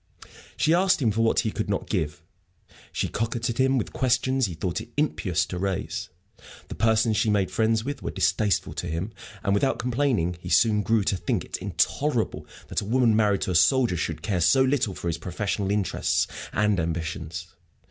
She asked him for what he could not give; she coquetted with questions he thought it impious to raise; the persons she made friends with were distasteful to him; and, without complaining, he soon grew to think it intolerable that a woman married to a soldier should care so little for his professional interests and ambitions.